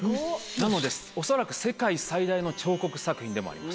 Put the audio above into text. なので恐らく世界最大の彫刻作品でもあります。